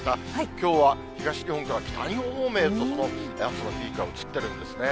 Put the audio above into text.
きょうは東日本から北日本方面へと、その暑さのピークが移っているんですね。